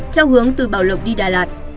theo hướng từ bảo lộc đi đà lạt